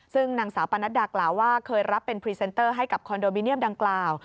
ซึ่งนางสาวปนัดดากล่าวว่าเคยรับเป็นพรีเซนเตอร์ให้กับคอนโดมิเนียมดังกล่าว